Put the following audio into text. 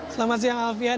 selamat siang alfian